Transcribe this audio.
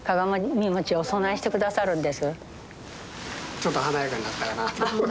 ちょっと華やかになったかな。